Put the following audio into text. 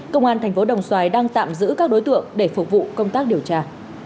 công an tp đồng xoài đang tạm giữ các đối tượng để phục vụ công tác điều tra